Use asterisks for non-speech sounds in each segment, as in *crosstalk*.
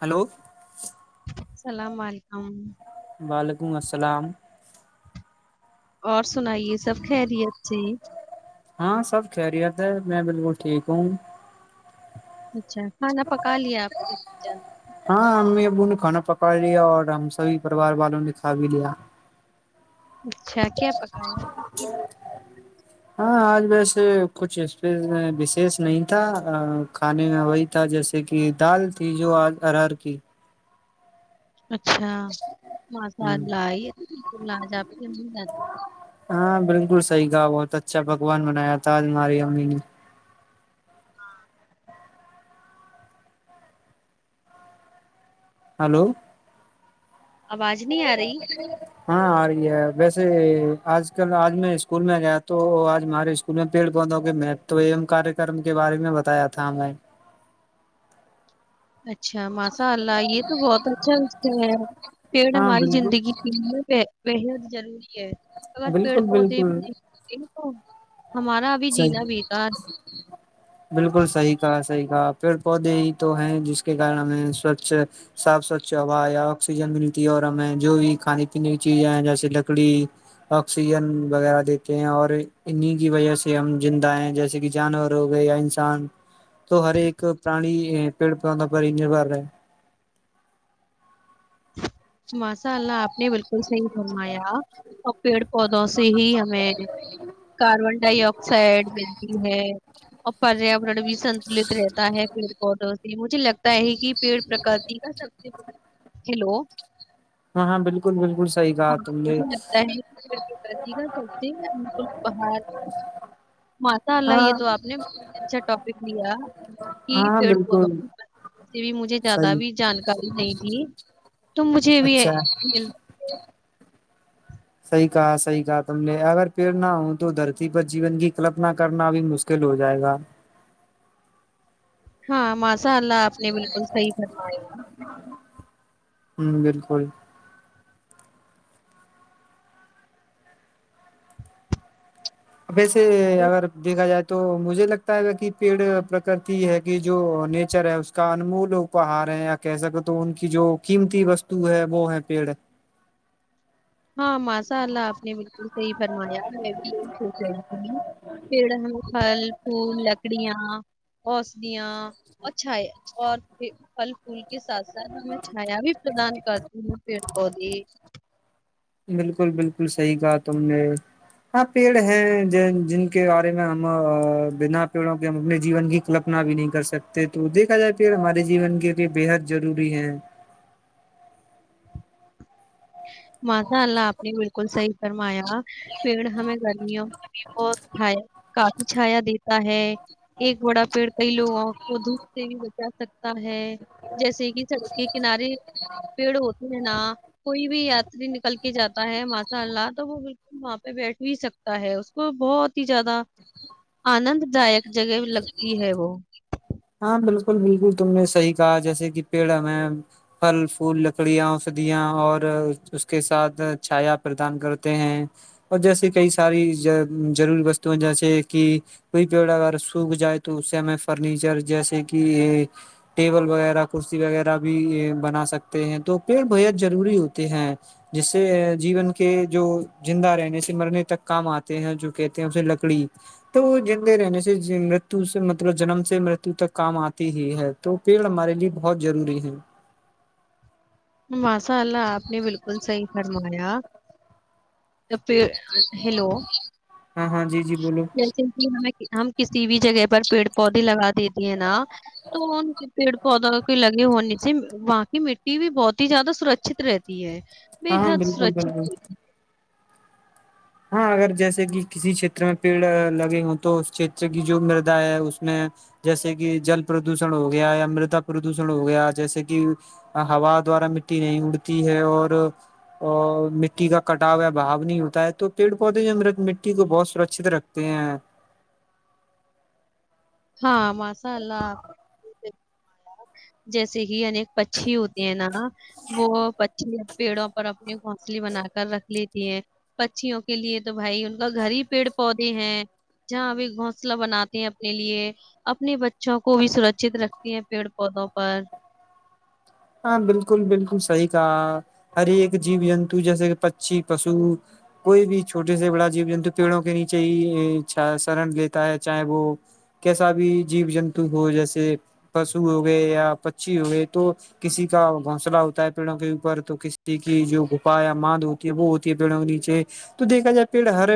Hello السلام علیکم وعلیکم السلام اور سنائیے سب خیریت سے ہاں سب خیریت ہے میں بالکل ٹھیک ہوں اچھا کھانا پکا لیا آپ سب نے کھانا پکا لیا اور ہم سبھی پریوار والوں نے کھا بھی لیا اچھا کیا پکایا ہاں آج ویسے کچھ اس وشیش نہیں تھا کھانے میں وہی تھا جیسے کہ دال تھی جو آج ارر کی اچھا مسا ہ لائی تو ج آپ کے ہاں بالکل صحیح کا بہت اچھا پکوان۔ ہلو۔ آواز نہیں آ رہی۔ ہاں آ رہی ہے ویسے آج کل آج میں اسکول میں گیا تو آج ہمارے اسکول میں پیڑ پودوں کے کار کرم کے بارے میں بتایا تھا ہمیں۔ اچھا۔ *inaudible* اچھا ماشاء اللہ یہ تو بہت اچھا استا ہے پیڑ ہاں ہماری بالکل زندگی کی *inaudible* ضروری۔ اگر پیڑ بالکل پودے بالکل بھی د تو *inaudible* ہمارا ابھی صحیح جینا بیکار ہے۔ بالکل صحیح کہا۔ صحیح کہا پیڑ پودے ہی تو ہے جس کے کارن ہمیں سوچھ صاف سوچھ ہوا یا آکسیجن ملتی ہے اور ہمیں جو بھی کھانے پینے کی چیزیں ہیں جیسے لکڑی آکسیجن وغیرہ دیتے ہیں اور انہی کی وجہ سے۔ ہم زندہ ہیں جیسے کہ جانور ہو گئے یا انسان تو ہر ایک پرانی پیڑ پودوں پر ہی نربھر رہے۔ ماشاء اللہ آپ نے بالکل صحیح فرمایا اور پیڑ۔ پودوں سے ہی ہمیں کاربن ڈائی آکسائڈ ملتی ہے۔ اور پریاورن بھی ستلت رہتا ہے پیڑ پودوں سے۔ ج لگ *inaudible* تے کی پیڑ پرکتی کا سب سے ہیلو۔ ہاں ہاں بالکل بالکل صحیح کہا ہاں تم نے مجھے لگتا ہے کہ پڑ پ سب سے بل باہر ماتا اللہ ہاں یہ تو آپ نے بت اچھا ٹاپک لیا کہ ہاں پیڑ پودوں بالکل کے بھی مجھے زیادہ صحیح بھی جانکاری نہیں تھی *inaudible* تم مجھے بھی اچھا مل صحیح کہا صحیح کہا تم نے اگر پیڑ نہ ہو تو دھرتی پر جیون کی کلپنا کرنا بھی مشکل ہو جائے گا۔ ہاں ماشاء اللہ آپ نے بالکل صحیح فرمایا۔ ہم بالکل۔ ویسے اگر دیکھا جائے تو مجھے لگتا۔ لگتا ہے کہ پیڑ پرکرتی ہے کہ جو نیچر ہے اس کا انمول اپہار ہے یا کہ سکتے تو ان کی جو قیمتی وستو ہے وہ ہے پیڑ۔ ہاں ماشاء اللہ آپ نے بالکل صحیح فرمایا میں بھی یہی سوچ رہی تھی پیڑ پھل۔ پھول لکڑیاں اوسدیاں اچھا ہے اور پھل پھول۔ کے ساتھ ساتھ ہمیں چھایا بھی پردان کرتی ہے۔ پیڑ پودے۔ بالکل بالکل صحیح کہا تم نے ہاں پیڑ ہیں جن کے بارے میں ہم بنا پیڑوں کے ہم اپنے جیون کی کلپنا بھی نہیں کر سکتے تو دیکھا جائے پیڑ ہمارے جیون کے لیے بےحد ضروری ہے۔ ہ *inaudible* ماشا اللہ آپ نے بالکل صحیح۔ فرمایا۔ پیڑ ہمیں گرمیوں میں بھی بہت چھایا کافی چھایا دے۔ تا ہے ایک بڑا پیڑ۔ کئی لوگوں کو دوپ سے بھی بچا۔ سکتا ہے جیسے کہ سڑک کے کنارے پیڑ ہوتے ج ن کوئی بھی یاتری نکل کے جاتا ہے ماشاء اللہ تو وہ بالکل وہاں پہ بیٹھ بھی سکتا ہے اس کو بہت ہی زیادہ آنند داک جگہ لگتی ہے وہ الکل بالکل تم نے صحی کہا جیسے کہ پیڑ ہمیں پھل پھول لکڑیاں ادیاں اور اس کے ساتھ چھایا پردان کرتے ہیں اور جیسے کئی ساری ضروری وستو جیسے کہ کوئی پیڑ اگر سوکھ جائے تو اس سے ہمیں فرنیچر جیسے کہ ٹیبل وغیرہ کرسی وغیرہ بھی بنا سکتے ہیں تو پیڑ بےحد ضروری ہوتے ہیں جس سے جیون کے جو زندہ رہنے سے مرنے تک کام آتے ہیں جو کہتے ہیں اسے لکڑی تو رہنے سے متو سے مطلب جنم سے مرتو تک کام آتی ہی ہے تو پیڑ ہمارے لیے بہت ضروری ہے ماسا اللہ آپ نے بالکل صحیح فرمایا *unintelligible* ہیلو ہاں ہاں جی جی بولو جیسے کہ ہمیں ہم کسی بھی جگہ پر پیڑ پودے لگا دیتی ہے نا تو ان کے پیڑ پودوں کی لگی ہونی واںق مٹی بھی بہت زیادہ سرکچت رہتی ہے *unintelligible* ہاں ہاں حد بالکل بالکل سرکچت *unintelligible* ہاں اگر جیسے کہ کسی چھیر میں پیڑ لگے ہوں تو اس چت کی جو مردا ہے اس میں جیسے کہ جل پردوشن ہو گیا یا مردا پردوشن ہو گیا جیسے کہ ہا دوارا مٹی نہیں اڑتی ہے اور مٹی کا کٹاؤ یا بھاؤ نہیں ہوتا ہے تو پیڑ پودے جو مرت مٹی کو بہت سرکچت رکھتے ہیں ہاں ماشاء اللہ آپ جیسے کہ انیک پچی ہوتے ہیں نا وہ پی پیڑوں پر اپنے گھونسلے بنا کر رکھ لیتی ہیں پچھھیوں کے لیے تو بھائی ان کا گھر ہی پیڑ پودے ہیں جہاں بھی گھونسلہ بناتے ہیں اپنے لیے اپنے بچوں کو بھی سرکچت رکھتی ہیں پیڑ پودوں پر ہاں بالکل بالکل صحیح کہا ہر ایک جیب جنتو جیسے کہ پچھی پشو کوئی بھی چھوٹے سے بڑا جیب جنتو پیڑوں کے نیچے ہیا شرن لیتا ہے چاہے وہ کیسا بھی جیو جنتو ہو جیسے پشو ہو گئے یا پچی ہو گئے تو کسی کا گھسلہ ہوتا ہے پیڑوں کے اوپر تو کسی کی جو گھپا یا ماند ہوتی ہے وہ ہوتی ہے پیڑوں کے نیچے تو دیکھا جائے پیڑ ہر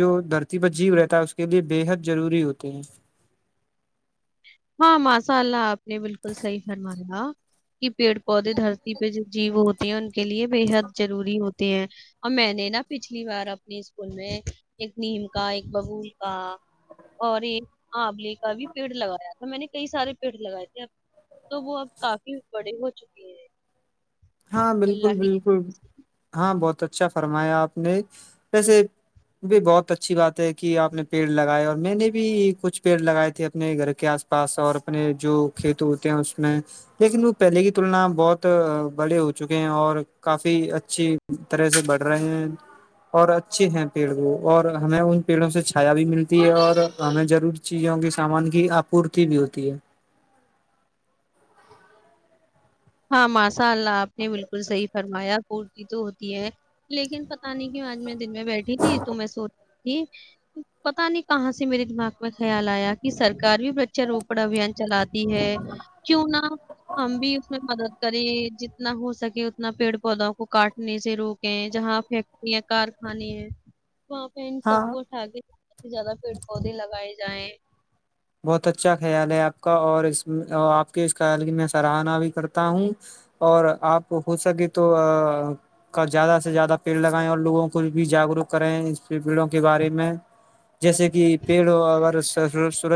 جو دھرتی پر جیو رہتا ہے اس کے لیے بےحد ضروری ہوتے ہیں ہاں ماشاء اللہ آپ نے بالکل صحیح فرمایا کہ پیڑ پودے دھرتی پہ جو جیو ہوتی *unintelligible* ان کے لیے بےحد ضروری ہوتی ہیں اور میں نے نا پچھلی بار اپنے اسکول میں ایک نیم کا ایک بب کا اور ایک ہاںبلیے کا بھی پیڑ لگا *unintelligible* تھا میں نے کئی سارے پیڑ لگائے تھے اب تو وہ اب کافی بڑے ہو چکے ہیں ہاں اللہ بالکل کی بالکل ہاں بہت اچھا *unintelligible* فرمایا آپ نے ویسے بھی بہت اچھی بات ہے کہ آپ نے پیڑ لگائے اور میں نے بھی کچھ پیڑ لگائے تھے اپنے گھر کے آس پاس اور اپنے جو کھیت ہوتے ہیں اس میں لیکن وہ پہلے کی تلنا بہت بڑے ہو چکے ہیں اور کافی اچھی طرح سے بڑھ رہے ہیں اور اچھے ہیں پیڑ وہ اور ہمیں ان پیڑوں سے چھایا بھی ملتی ہے اور ہمیں ضروری چیزوں کے سامان کی آپورتی بھی ہوتی ہے ہاں م *unintelligible* اناء اللہ آپ نے بالکل صحیح فرمایا پورتی تو ہوتی ہے لیکن پتہ نہیں کہ آج میں دن میں بیٹھی تھی تو میں سو *unintelligible* پتا نہیں کہاں سے میرے دماغ میں خیال آیا کہ سر ار بھی پرچھھر روپڑ ابھیان چلاات *unintelligible* ہے کیوں نہ ہم بھی اس میں مدد کریں جتنا ہو سکے اتنا پیڑ پودوں کو کاٹنے سے روکیں جہاں فیکٹری کارخانے ہیں وہاں بہن ہاں سب کو اٹھا کے *unintelligible* زیادہ پیڑ پودے لگائے جائیں بہت اچھا خیال ہے آپ کا اور اس آپ کے اس خیال کی میں سراہنا بھی کرتا ہوں اور آپ ہو سکے تو زیادہ سے زیادہ پیڑ لگائیں اور لوگوں کو بھی جاگروک کریں اس پیڑوں کے بارے میں جیسے کہ پیڑ اور س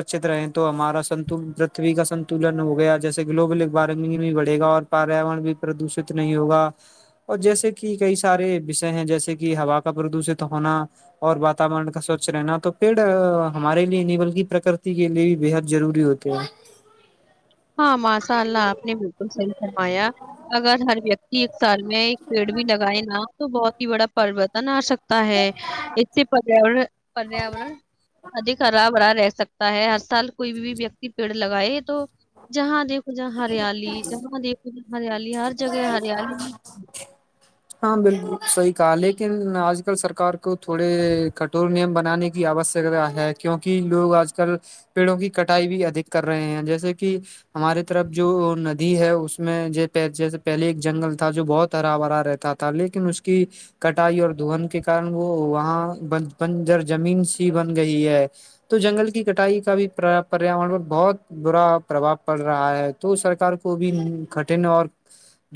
رہے تو ہمارا س پتھوی کا سنتولن ہو گیا جیسے گلوبل وارمنگ بھی بڑے گا اور پیاورن بھی پردوشت نہیں ہوگا اور جیسے کہ کئی سارے وشے ہیں جیسے کہ ہا کا پردوشت ہونا اور واتورن کا سوچھ رہنا تو پیڑ ہمارے لیے نہیں بلکہ پرک کے لیے بھی بےحد ضروری ہوتے ہیں ہاں ماشاء اللہ آپ نے بالکل صحیح فرمایا اگر ہر ویکتی ایک سال میں ایک پیڑ بھی لگائے نا تو بہت ہی بڑا پرو تھا نا سک ہے اس سے پر پریاورن ادک خرابرا رہ سکتا ہے ہر سال کوئی بھی ویکتی پیڑ لگائے تو جہاں دیک د جا ہریالی جاں دیکھو ج ہریالی بہار جگہ ہریالی میں ہاں بالکل صحیح کہا لیکن آج کل سرکار کو کو تھوڑے کٹور نیم بنا بنانے کی آوشکتا ہے کیوںک لوگ آج کل پیڑوں کی کٹائی بھی ادھک کر رہے ہیں جیسے کہ ہماراری طرف جو ندی ہے اس میں جیسے پہلے ایک جنگل تھا جو بہت ہرا بھرا رہتا تھا لیکن اس کی کٹائی اور دن کے کن وہ وہاں بنجر جمین سی بن گئی ہے تو جنگل کی کٹائی کا بھی پریاورن پر بہت برا پرباؤ پڑ رہا ہے تو سرک کو بھی کٹن اور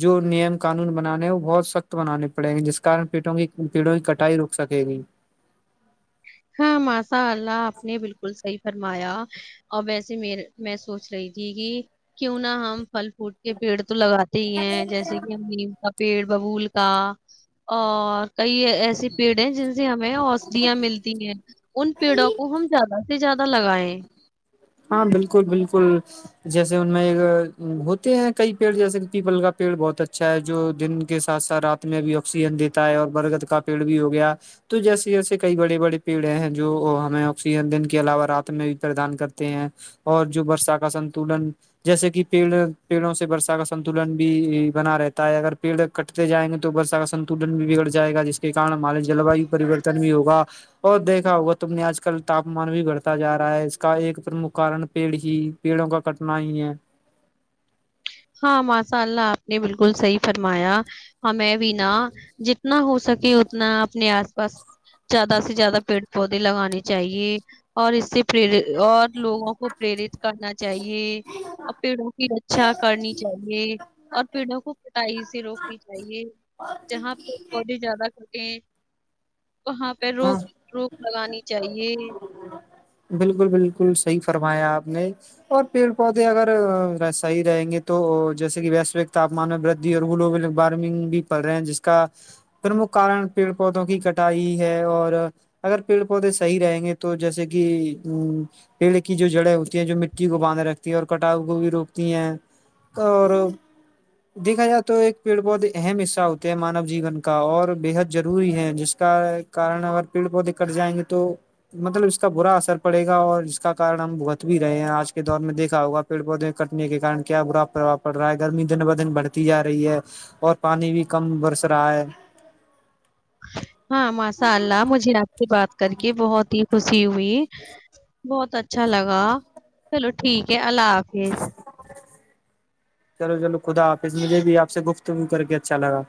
جو نیم قانون بنانے ہیں وہ بہت سخت بنانے پڑے گے جس کار کی پیڑوں کی کٹائی رک سکے گی ہاں ماشاء اللہ آپ نے بالکل صحیح فرمایا اور ویسے م میں سوچ رہی تھی کہ کیوں نہ ہم پھل کوٹ کے پیڑ تو لگاتے ہی ہیں جیسے کہ ہم نیم سب پیڑ ببول کا اور کئی ایسسی پیڑ ہے جن سے ہمیں اوشدھیاں ملتی ہیں ان پیڑوں کو ہم زیادہ ا سے زیادہ لگائے ہاں بالکل بالکل جیسے ان میں ہوتے ہیں کئی پیڑ جیسے کہ پیپل کا پیڑ بہت اچھا ہے جو دن کے ساتھ ساتھ رات میں بھی آکسیجن دیتا ہے اور برگد کا پیڑ بھی ہو گیا تو جیسے جیسے کئی بڑے بڑے پیڑ ہیں جو ہمیں آکسیجن دن کے علاوہ رات میں بھی پردان کر اور جو برسا کا سنتولن جیسے کہ پیڑ پیڑوں سے برسا کا سنتولن بھی بنا رہتا ہے اگر پیڑ کٹتے جائیں گے تو برسا کا سنتولن بھی بگڑ جائے گا جس کے کن ہمال جلویو پریوررتن بھی ہوگا اور دیکھا ہوگا تو نے آج کل تاپمان بھی بڑھتا جا رہا ہے اس کا ایک پرمک کارن پیڑ ہی پیڑوں کا کٹنا ہی ہے ہاں ماشاء اللہ آپ نے بالکل صحیح فرمایا ہمیں بھینا جتنا ہو سکے اتنا اپنے آس پاس زیادہ سے زیادہ پیڑ پودے لگانے چاہیے اور اس سے پ اور لوگوں کو پریرت کرنا چاہیے اور پیڑوں کی کرنی چاہیے اور پیڑوں کو کٹائی سے روکنی چاہیے جہاں پیڑ پودے زیادہ ایک کہاں پہ روک ہاں روک لگانی چاہیے بالکل بالکل صحیح فرمایا آپ نے اور پیڑ پودے اگر صحی رہیں گے تو جیسے کہ ویشوک تاپمان میں ودی اور گلوبل وارمنگ بھی پڑ رہے ہیں جس کا پرمکھ کارن پیڑ پودوں کی کٹائی اور اگر پیڑ پودے صحیح رہیں گے تو جیسے کہ ا پیڑ کی جو جڑیں ہوتی ہیں جو مٹی کو باندھ رکھتی ہیں اور کٹاؤ کو بھی روکتی ہیں اور دیکھا جائے تو ایک پیڑ پودے اہم حصہ ہوتے ہیں مانو جیون کا اور بےحد ضروری ہے جس کا کن اگر پیڑ پودے کٹ جائیں گے تو مطلب اس کا برا اثر پڑے گا اور ج کا کن ہم بھگت بھی رہے ہیں آج کے دور میں دھا ہوگا پیڑ پودے کٹنے کے کن کیا برا پربؤ پڑ رہا ہے گرمی دن ب دن بڑھتی جا رہی ہے اور پانی بھی کم برس رہا ہے ہاں ماشاء اللہ مجھے آپ سے بات کر کے بہت ہی توسی بھی بہت اچھا اچھا لگا چلو ٹھیک ہے اللہ حافظ چلو چلو خدا حافظ مجھے بھی آپ سے گفتگو کر کے اچھا لگا